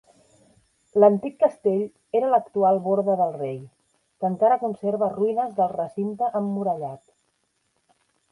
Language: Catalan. L'antic castell era l'actual borda del Rei, que encara conserva ruïnes del recinte emmurallat.